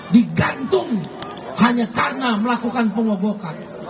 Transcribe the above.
digantung hanya karena melakukan pengobokan